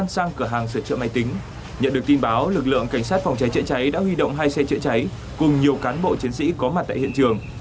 sát phòng cháy chữa cháy đã huy động hai xe chữa cháy cùng nhiều cán bộ chiến sĩ có mặt tại hiện trường